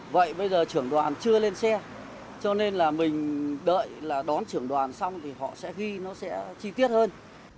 vậy bây giờ trưởng đoàn chưa lên xe cho nên là mình đợi là đón trưởng đoàn xong thì họ sẽ ghi nó sẽ chi tiết hơn